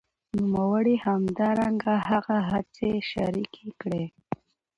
نوموړي همدرانګه هغه هڅي شریکي کړې